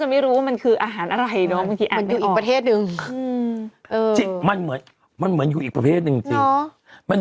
แต่มันชื่อเมนูอาหารอะไรอย่างงี้ฮะคนก็จะแบบโอ้โหมัน